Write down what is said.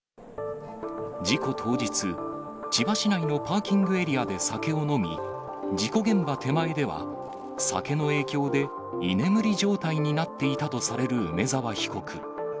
事故当日、千葉市内のパーキングエリアで酒を飲み、事故現場手前では、酒の影響で居眠り状態になっていたとされる梅沢被告。